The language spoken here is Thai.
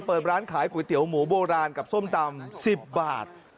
เปิดร้านขายก๋วยเตี๋ยวหมูโบราณกับส้มตำ๑๐บาท